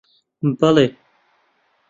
بەڵێ.